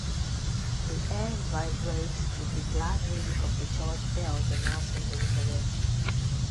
The air vibrates with the glad music of the church bells announcing the resurrection.